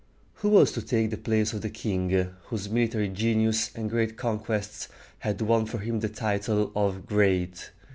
Who was to take the place of the king whose military genius and great conquests had won for him the title of "Great"?